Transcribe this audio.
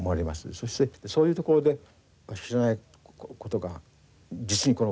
そしてそういうところで知らないことが実にこの核時代において多い。